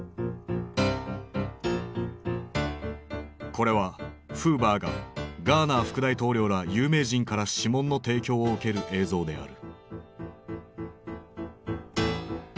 これはフーバーがガーナー副大統領ら有名人から指紋の提供を受ける映像である。